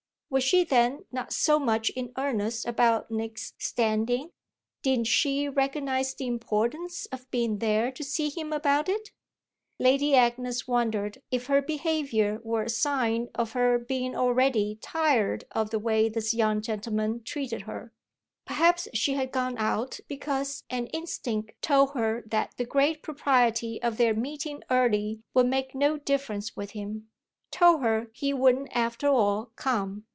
Was she then not so much in earnest about Nick's standing? Didn't she recognise the importance of being there to see him about it? Lady Agnes wondered if her behaviour were a sign of her being already tired of the way this young gentleman treated her. Perhaps she had gone out because an instinct told her that the great propriety of their meeting early would make no difference with him told her he wouldn't after all come.